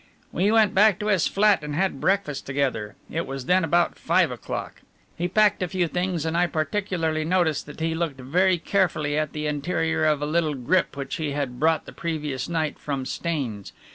"We went back to his flat and had breakfast together it was then about five o'clock. He packed a few things and I particularly noticed that he looked very carefully at the interior of a little grip which he had brought the previous night from Staines.